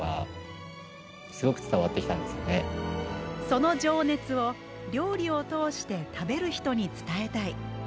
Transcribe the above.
その情熱を、料理を通して食べる人に伝えたい。